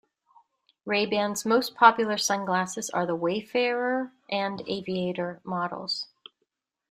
Ray-Ban's most popular sunglasses are the "Wayfarer", and "Aviator" models.